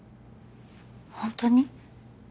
ホントに？